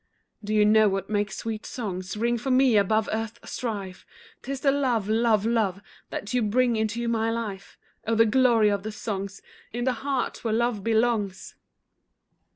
Do you know what makes sweet songs Ring for me above earth's strife? 'Tis the love, love, love, That you bring into my life, Oh the glory of the songs In the heart where love belongs!